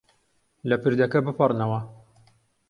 لە پردەکە بپەڕنەوە.